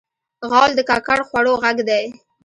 غول د ککړ خوړو غږ دی.